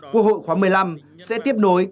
quốc hội khóa một mươi năm sẽ tiếp nối